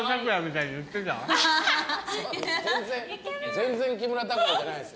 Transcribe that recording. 全然木村拓哉じゃないです。